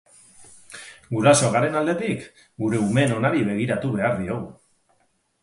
Guraso garen aldetik, gure umeen onari begiratu behar diogu.